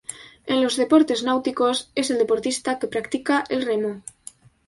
En los deportes náuticos, es el deportista que practica el remo.